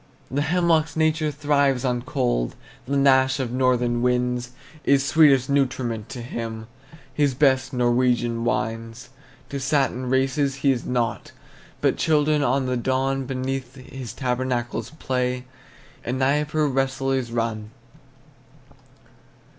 The hemlock's nature thrives on cold; The gnash of northern winds Is sweetest nutriment to him, His best Norwegian wines. To satin races he is nought; But children on the Don Beneath his tabernacles play, And Dnieper wrestlers run.